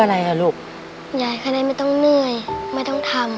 กับยายตลอดเลยหรอลูกล่อ